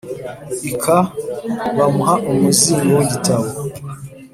lk bamuha umuzingo w igitabo